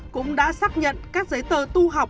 cũng đã xác nhận các giấy tờ tu học